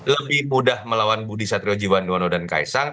lebih mudah melawan budi satriojiwando dan kaisang